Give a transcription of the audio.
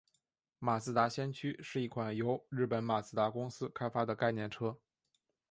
马自达先驱是一款由日本马自达公司开发的概念车。